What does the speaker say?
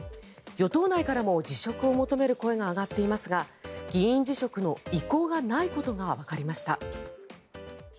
与党内からも辞職を求める声が上がっていますが議員辞職の意向がないことがわかりました。